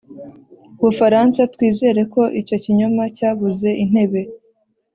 bufaransa. twizere ko icyo kinyoma cyabuze intebe